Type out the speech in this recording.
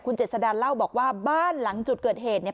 เจษดานเล่าบอกว่าบ้านหลังจุดเกิดเหตุเนี่ย